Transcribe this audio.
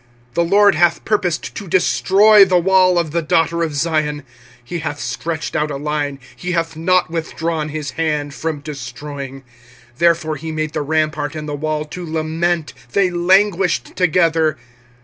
25:002:008 The LORD hath purposed to destroy the wall of the daughter of Zion: he hath stretched out a line, he hath not withdrawn his hand from destroying: therefore he made the rampart and the wall to lament; they languished together.